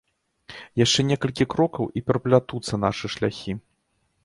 Яшчэ некалькі крокаў, і пераплятуцца нашы шляхі.